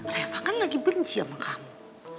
reva kan lagi benci sama kamu